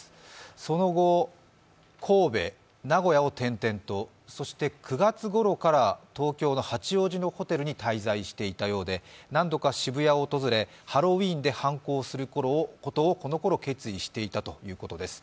その後、神戸、名古屋を転々と、そして９月ごろから東京の八王子のホテルに滞在していたようで、何度か渋谷を訪れハロウィーンで犯行することをこのころ、決意していたということです。